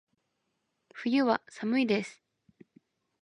冬は、寒いです。